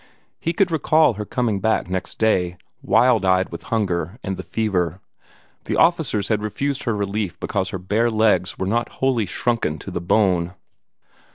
He could recall her coming back next day, wild eyed with hunger and the fever; the officers had refused her relief because her bare legs were not wholly shrunken to the bone.